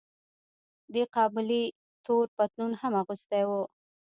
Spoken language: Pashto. دې قابلې تور پتلون هم اغوستی و.